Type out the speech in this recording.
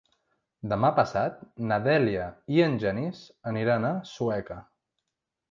Demà passat na Dèlia i en Genís aniran a Sueca.